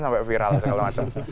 sampai viral segala macam